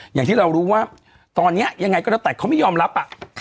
อย่างที่เรารู้ว่าตอนนี้ยังไงก็แล้วแต่เขาไม่ยอมรับ